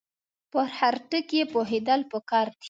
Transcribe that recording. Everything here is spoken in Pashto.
په هر ټکي پوهېدل پکار دي.